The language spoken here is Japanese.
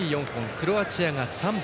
クロアチアが３本。